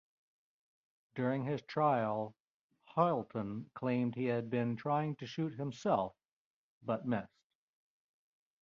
During his trial, Hylton claimed he had been trying to shoot himself but missed.